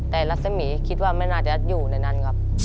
แต่รัศมีร์คิดว่าไม่น่าจะอยู่ในนั้นครับ